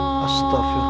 sebalik kamu lafalkan